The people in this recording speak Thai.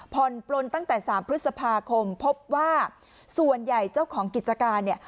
ปลนตั้งแต่๓พฤษภาคมพบว่าส่วนใหญ่เจ้าของกิจการเนี่ย